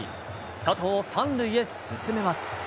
佐藤を３塁へ進めます。